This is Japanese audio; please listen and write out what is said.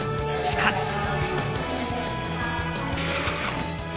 しかし。